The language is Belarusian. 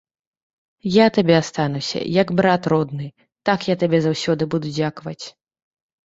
Я табе астануся, як брат родны, так я табе заўсёды буду дзякаваць.